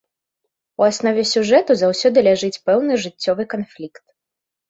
У аснове сюжэту заўсёды ляжыць пэўны жыццёвы канфлікт.